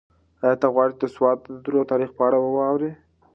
ایا ته غواړې چې د سوات د درو د تاریخ په اړه واورې؟